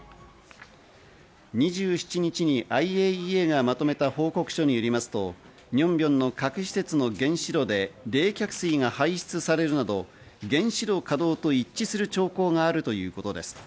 ２７日にＩＡＥＡがまとめた報告書によりますと、ニョンビョンの各施設の原子炉で冷却水が排出されるなど原子炉稼働と一致する兆候があるということです。